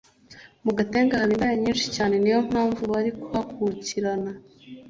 Mugatenga haba indaya nyishi cyane niyompamvu bari kuhakurikirana